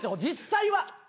実際は。